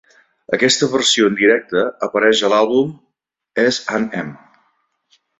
Aquesta versió en directe apareix a l'àlbum S and M.